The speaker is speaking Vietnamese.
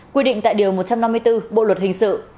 quy định tại điều một trăm năm mươi bốn bộ luật hình sự